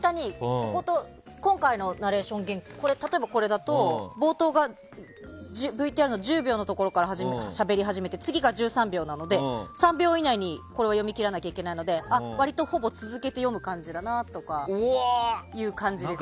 今回のナレーション原稿だと冒頭がＶＴＲの１０秒のところからしゃべり始めて次が１３秒なので３秒以内にこれを読み切らなきゃいけないので割とほぼ続けて読む感じだなとかですね。